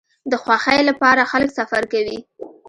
د خوښۍ لپاره خلک سفر کوي.